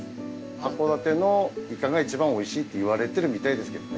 函館のイカが一番おいしいって言われてるみたいですけどね。